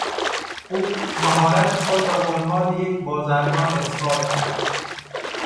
او مهارت خود را به عنوان یک بازرگان اثبات کرد.